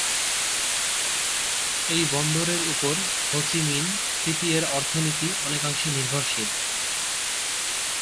এই বন্দরের উপর হো চি মিন সিটি এর অর্থনীতি অনেকাংশে নির্ভরশীল।